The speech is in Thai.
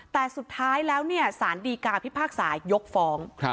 แต่สุดท้ายแล้วสารดีกาพิพากษายกฟ้อง